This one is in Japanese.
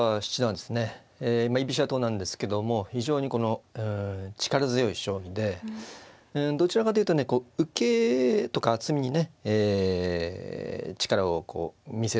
居飛車党なんですけども非常にこの力強い将棋でどちらかと言うとね受けとか厚みにねえ力を見せるタイプなんですけども。